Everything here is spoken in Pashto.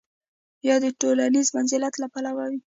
یا د ټولنیز منزلت له پلوه وي.